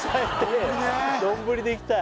丼でいきたい？